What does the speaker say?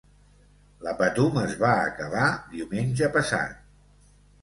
La Patum es va acabar diumenge passat.